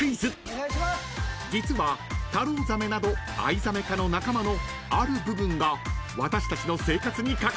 ［実はタロウザメなどアイザメ科の仲間のある部分が私たちの生活に関わっています］